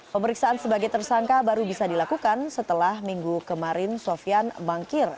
pemeriksaan sebagai tersangka baru bisa dilakukan setelah minggu kemarin sofian mangkir